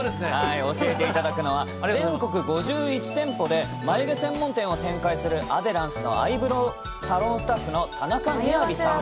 教えていただくのは、全国５１店舗で眉毛専門店を展開するアデランスのアイブロウサロンスタッフの田中雅さん。